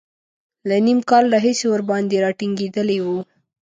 له نیم کال راهیسې ورباندې را ټینګېدلی و.